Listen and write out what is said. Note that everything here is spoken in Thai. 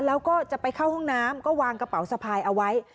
แล้วก็จะไปเข้าห้องน้ำก็วางกระเป๋าสะพายเอาไว้